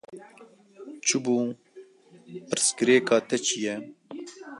Çi bû, pirsgirêka te çi ye?